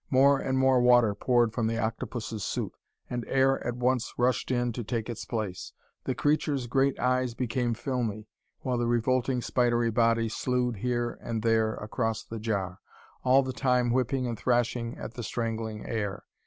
More and more water poured from the octopus' suit, and air at once rushed in to take its place. The creature's great eyes became filmy, while the revolting spidery body slewed here and there across the jar, all the time whipping and thrashing at the strangling air.